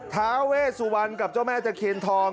ท้าเวสวรรณกับเจ้าแม่ตะเคียนทอง